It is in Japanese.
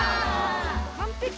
完璧。